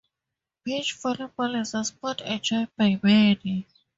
Beach volleyball is a sport enjoyed by many